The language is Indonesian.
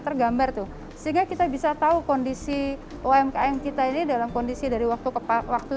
tergambar tuh sehingga kita bisa tahu kondisi umkm kita ini dalam kondisi dari waktu ke waktu